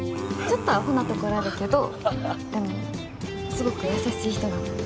ちょっとアホなところあるけどでもすごく優しい人なの。